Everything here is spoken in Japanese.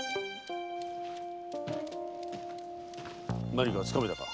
何かつかめたか？